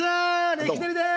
レキデリです！